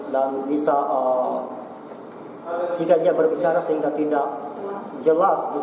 dan bisa jika dia berbicara sehingga tidak jelas